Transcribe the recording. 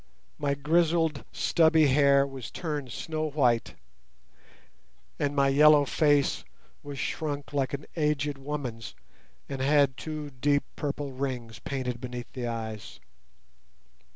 My grizzled stubby hair was turned snow white, and my yellow face was shrunk like an aged woman's and had two deep purple rings painted beneath the eyes.